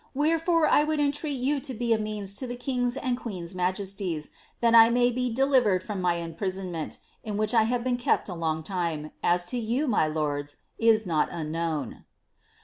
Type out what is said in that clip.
Wherefore I would entreat you to be a means to the king's and queen's majesties, that 1 may be de iirered from my imprisonment, in which 1 have been kept a long time, IS to yon, my lords, is not unknown."